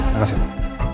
terima kasih pak